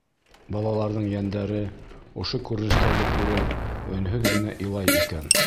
Балаларҙың йәндәре, ошо күренештәрҙе күреп, өнһөҙ генә илай икән.